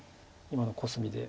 今のコスミで。